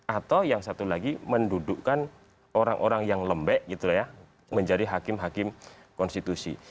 atau yang satu lagi mendudukkan orang orang yang lembek gitu ya menjadi hakim hakim konstitusi